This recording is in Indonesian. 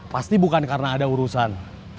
pasti bukan karena ada urusan